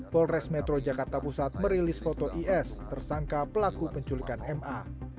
polres metro jakarta pusat merilis foto is tersangka pelaku penculikan ma